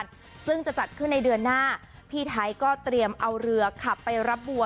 ซึ่งจะจัดขึ้นในเดือนหน้าพี่ไทยก็เตรียมเอาเรือขับไปรับบัว